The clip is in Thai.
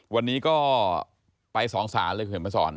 วันนี้ก็ไปสองศาลเลยเห็นประสอร์น